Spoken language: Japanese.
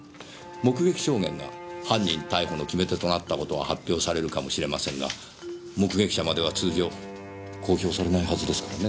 目撃証言が犯人逮捕の決め手となった事は発表されるかもしれませんが目撃者までは通常公表されないはずですからね。